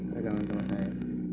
takut banget sama saya